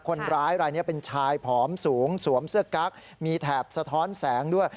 คนร้ายรายนี้เป็นชายผอมสูงสวมเสื้อกั๊กมีแถบสะท้อนแสงด้วย